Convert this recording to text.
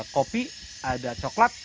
kopi ada coklat